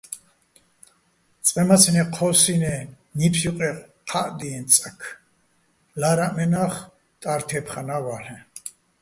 წყე, მაცმე ჴოსინე́ ნიფს ჲუყე ხა́ჸდიეჼ წაქ, ლა́რაჸ მენა́ხ ტარო̆ თე́ფხანა́ ვა́ლ'ეჼ.